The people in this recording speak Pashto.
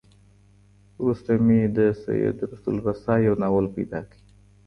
وروسته مي د سيد رسول رسا يو ناول پيدا کړ.